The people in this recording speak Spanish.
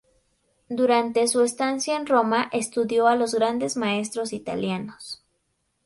Durante su estancia en Roma estudió a los grandes maestros italianos.